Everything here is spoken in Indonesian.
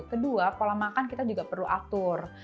kedua pola makan kita juga perlu atur